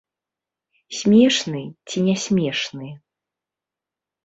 Смешны, ці не смешны.